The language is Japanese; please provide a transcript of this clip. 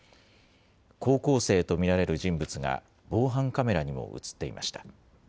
高校生と見られる人物が、防犯カメラにも写っていました。